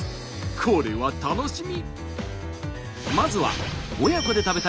これは楽しみ！